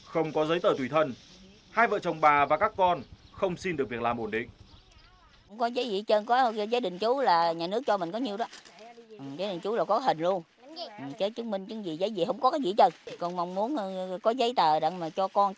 không có giấy tờ tùy thân hai vợ chồng bà và các con không xin được việc làm ổn định